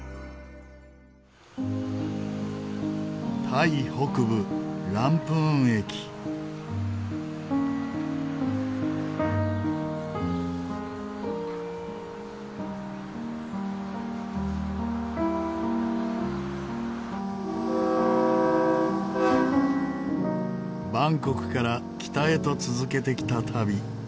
タイ北部バンコクから北へと続けてきた旅。